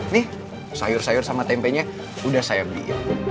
nih sayur sayur sama tempenya udah saya beli